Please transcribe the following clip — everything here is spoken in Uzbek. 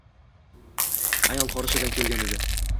Ayol qorachadan kelgan edi